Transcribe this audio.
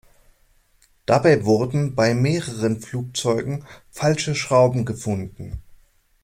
Dabei wurden bei mehreren Flugzeugen falsche Schrauben gefunden.